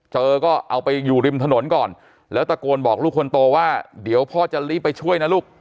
เจอก็เอาไปอยู่ริมถนนก่อนแล้วตะโกนบอกลูกคนโตว่าเดี๋ยวพ่อจะรีบไปช่วยนะลูก